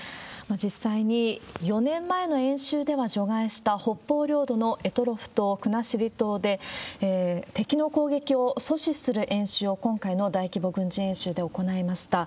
実際に、４年前の演習では除外した北方領土の択捉島、国後島で、敵の攻撃を阻止する演習を、今回の大規模軍事演習で行いました。